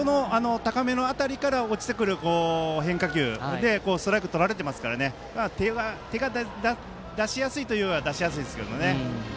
高めの辺りから落ちてくる変化球でストライクをとられてますから手が出しやすいといえば出しやすいですけどね。